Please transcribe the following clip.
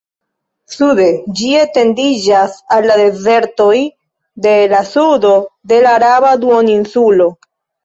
Sude, ĝi etendiĝas al la dezertoj de la sudo de la Araba Duoninsulo.